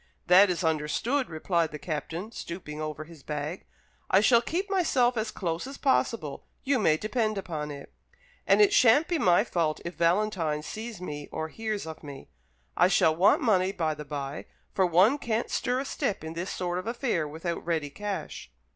"That is understood," replied the Captain, stooping over his bag; "I shall keep myself as close as possible, you may depend upon it. And it shan't be my fault if Valentine sees me or hears of me. I shall want money, by the bye; for one can't stir a step in this sort of affair without ready cash."